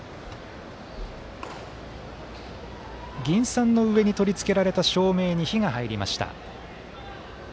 銀傘の上に取り付けられた照明に灯が入りました。